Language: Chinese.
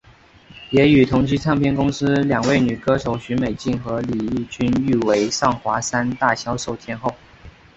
也与同期唱片公司两位女歌手许美静和李翊君誉为上华三大销售天后。